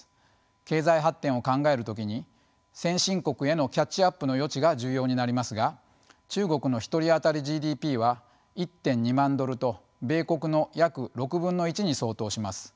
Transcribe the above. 経済発展を考える時に先進国へのキャッチアップの余地が重要になりますが中国の１人当たりＧＤＰは１．２万ドルと米国の約６分の１に相当します。